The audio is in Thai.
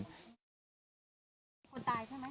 คนตายใช่ไหม